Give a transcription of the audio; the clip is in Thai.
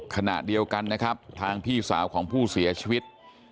ขณะเดียวกันนะครับทางพี่สาวของผู้เสียชีวิต